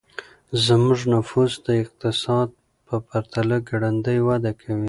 زموږ نفوس د اقتصاد په پرتله ګړندی وده کوي.